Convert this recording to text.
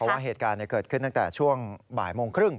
ว่าเหตุการณ์เกิดขึ้นตั้งแต่ช่วงบ่ายโมงครึ่ง